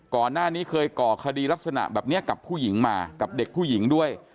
ก่อนหน้านี้เคยก่อคดีลักษณะแบบนี้กับผู้หญิงมากับเด็กผู้หญิงด้วย